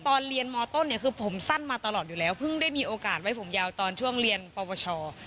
ตอนเรียนมต้นเนี่ยคือผมสั้นมาตลอดอยู่แล้วเพิ่งได้มีโอกาสไว้ผมยาวตอนช่วงเรียนปวช